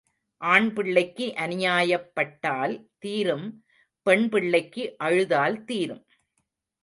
ஆண் பிள்ளைக்கு அநியாயப்பட்டால் தீரும் பெண் பிள்ளைக்கு அழுதால் தீரும்.